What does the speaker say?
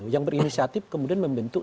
yang berinisiatif kemudian membentuk